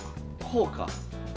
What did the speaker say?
こうか。